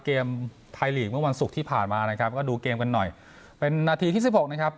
เกมไทยลีกเมื่อวันศุกร์ที่ผ่านมานะครับก็ดูเกมกันหน่อยเป็นนาทีที่สิบหกนะครับ